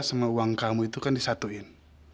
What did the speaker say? sama uang kamu itu kan disatuin